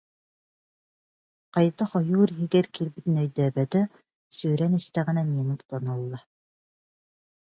Хайдах ойуур иһигэр киирбитин өйдөөбөтө, сүүрэн истэҕинэ Нина тутан ылла